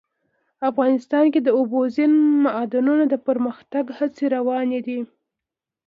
افغانستان کې د اوبزین معدنونه د پرمختګ هڅې روانې دي.